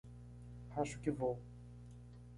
Acho que vou.